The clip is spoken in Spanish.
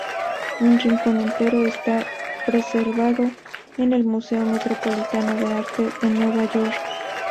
Un rincón entero está preservado en el Museo Metropolitano de Arte en Nueva York.